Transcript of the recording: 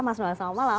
mas noel selamat malam